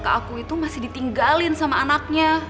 ke aku itu masih ditinggalin sama anaknya